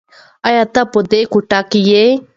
ایا ته په دې کوټه کې یې؟